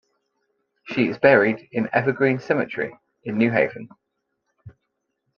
She is buried in Evergreen Cemetery in New Haven.